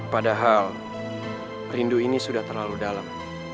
padahal rindu ini sudah terlalu dalam